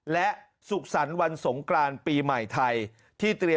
และสุขสรรค์วันสงกราณปีใหม่ไทย